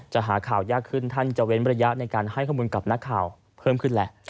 หาข่าวยากขึ้นท่านจะเว้นระยะในการให้ข้อมูลกับนักข่าวเพิ่มขึ้นแหละ